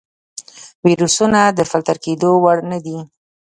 ویروسونه د فلتر کېدو وړ نه دي.